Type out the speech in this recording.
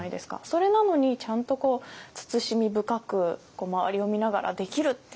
それなのにちゃんと慎み深く周りを見ながらできるっていうのが。